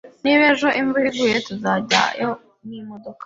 Niba ejo imvura iguye, tuzajyayo n'imodoka.